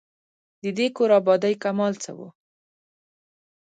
د دې کور آبادۍ کمال څه وو.